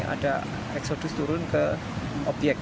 ada eksodus turun ke obyek